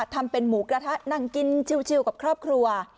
ทำเป็นหมูกระทะนั่งกินชิวกับครอบครัว